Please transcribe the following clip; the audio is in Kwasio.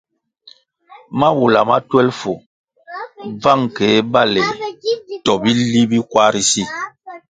Mawula ma twelfu, bvang keh baleh to bili bi kwar ri si.